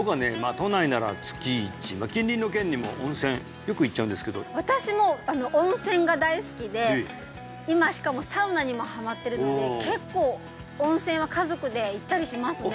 都内なら月１近隣の県にも温泉よく行っちゃうんですけど私も温泉が大好きで今しかもサウナにもハマってるので結構温泉は家族で行ったりしますね